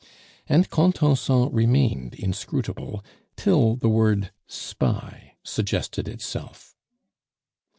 And Contenson remained inscrutable till the word spy suggested itself.